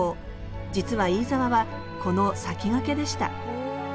実は飯沢はこの先駆けでした。